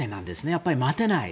やっぱり待てない。